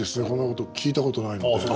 こんなこと聞いたことないので。